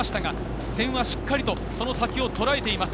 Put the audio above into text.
視線はしっかりとその先をとらえています。